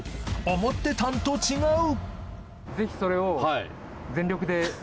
「思ってたんと違う！」